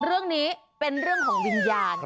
เรื่องนี้เป็นเรื่องของวิญญาณ